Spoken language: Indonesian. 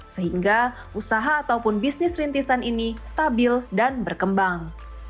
sehingga usaha ataupun bisnis rintisan ini stabil dan berkembang